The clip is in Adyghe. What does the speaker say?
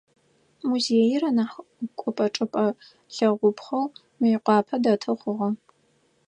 Музеир анахь кӏопӏэ-чӏыпӏэ лъэгъупхъэу Мыекъуапэ дэты хъугъэ.